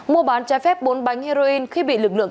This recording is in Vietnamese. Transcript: mua bán trái phép bốn bánh heroin khi bị lực lượng